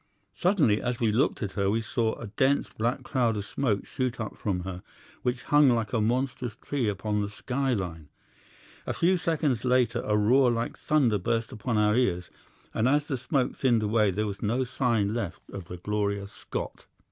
Suddenly as we looked at her we saw a dense black cloud of smoke shoot up from her, which hung like a monstrous tree upon the sky line. A few seconds later a roar like thunder burst upon our ears, and as the smoke thinned away there was no sign left of the Gloria Scott.